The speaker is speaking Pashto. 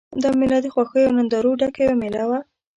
دا مېله د خوښیو او نندارو ډکه یوه مېله وه.